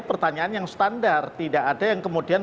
pertanyaan yang standar tidak ada yang kemudian